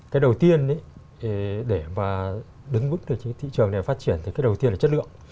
cái đầu tiên để mà đứng vững được cái thị trường này phát triển thì cái đầu tiên là chất lượng